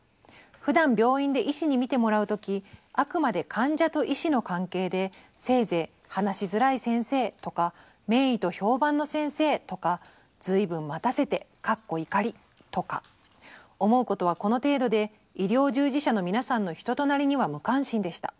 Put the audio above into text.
「ふだん病院で医師に診てもらう時あくまで患者と医師の関係でせいぜい話しづらい先生とか名医と評判の先生とか随分待たせてとか思うことはこの程度で医療従事者の皆さんの人となりには無関心でした。